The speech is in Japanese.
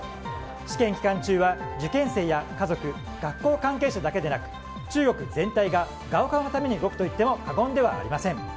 試験期間中は受験生や家族学校関係者だけでなく中国全体がガオカオのために動くといっても過言ではありません。